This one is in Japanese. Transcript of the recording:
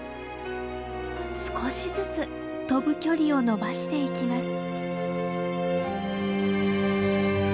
少しずつ飛ぶ距離を伸ばしていきます。